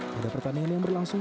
pada pertandingan yang berlangsung